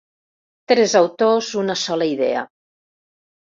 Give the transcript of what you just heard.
Tres autors, una sola idea.